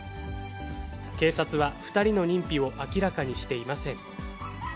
警察は、２人の認否を明らかにしていません。